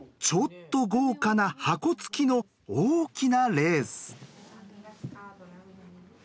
ちょっと豪華な箱つきの大きなレース。